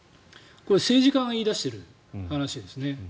これは政治家が言い出している話ですね。